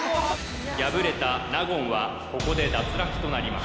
敗れた納言はここで脱落となります